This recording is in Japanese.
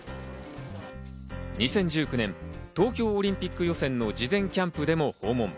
２０１９年、東京オリンピック予選の事前キャンプでも訪問。